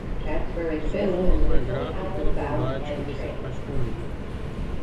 Só o homem não é grato pela bondade que você faz com ele.